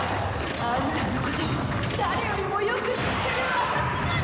アンタのこと誰よりもよく知ってる私がね！